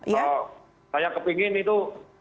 dan saya kepingin itu